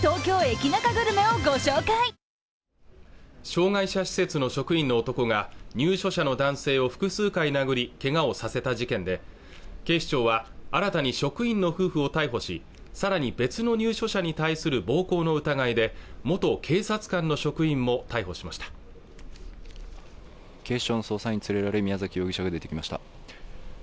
障害者施設の職員の男が入所者の男性を複数回殴りけがをさせた事件で警視庁は新たに職員の夫婦を逮捕しさらに別の入所者に対する暴行の疑いで元警察官の職員も逮捕しました警視庁の捜査員に連れられ宮崎容疑者が出てきました